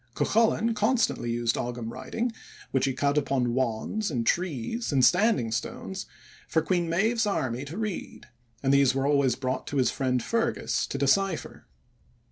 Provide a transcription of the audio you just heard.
Cuchulainn constantly used Ogam writing, which he cut upon wands and trees and standing stones for Queen Medb's army to read, and these were always brought to his friend Fergus to decipher.